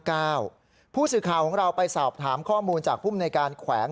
ผู้สื่อข่าวของเราไปสอบถามข้อมูลจากภูมิในการแขวง